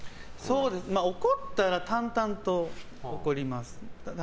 怒ったら淡々と怒ります。